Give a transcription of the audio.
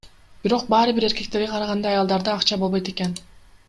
Бирок баары бир эркектерге караганда аялдарда акча болбойт экен.